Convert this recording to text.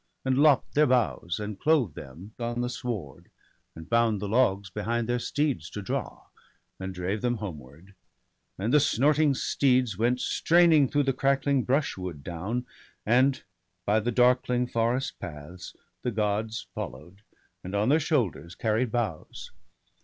And lopp'd their boughs, and clove them on the sward, And bound the logs behind their steeds to draw, And drave them homeward ; and the snorting steeds Went straining through the crackling brushwood down, And by the darkling forest paths the Gods 154 BALDER DEAD. Follow'd, and on their shoulders carried boughs.